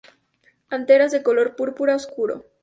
Anteras de color púrpura oscuro.